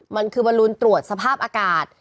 มันคือบอลลูนตรวจสภาพอากาศ